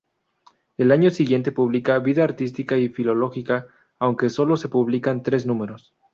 El año siguiente publica "Vida artística y filológica", aunque sólo se publican tres números.